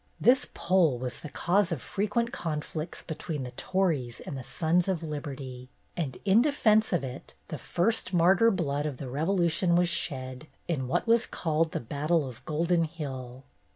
This pole was the cause of frequent conflicts between the Tories and the Sons of Liberty, and in defence of it the first martyr blood of the Revolution was shed in what was called the battle of Golden Hill.